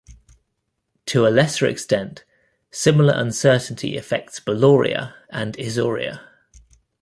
To a lesser extent, similar uncertainty affects "Boloria" and "Issoria".